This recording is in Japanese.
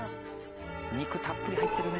肉たっぷり入ってるね。